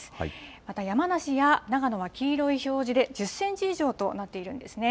また山梨や長野は黄色い表示で、１０センチ以上となっているんですね。